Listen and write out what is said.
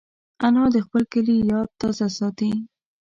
انا د خپل کلي یاد تازه ساتي